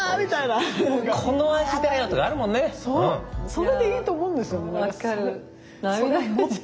それでいいと思うんですよね。